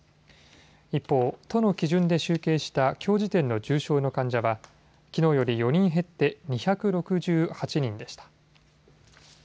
一方、都の基準で集計したきょう時点の重症の患者は、きのうより４人減って２６８人でした。